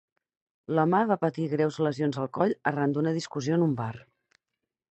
L'home va patir greus lesions al coll arran d'una discussió en un bar.